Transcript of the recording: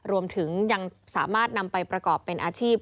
รวมถึงยังสามารถนำไปประกอบเป็นอาชีพ